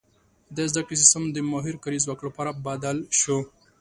• د زده کړې سیستم د ماهر کاري ځواک لپاره بدل شو.